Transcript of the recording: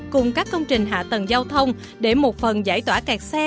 cùng các công trình hạ tầng giao thông để một phần giải tỏa kẹt xe